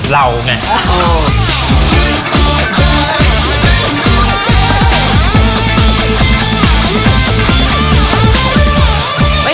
เราไง